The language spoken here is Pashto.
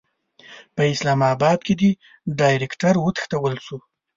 په اسلاماباد کې د ډایرکټر وتښتول شو.